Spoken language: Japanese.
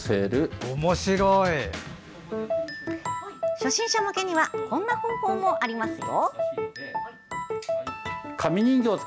初心者向けにはこんな方法もありますよ。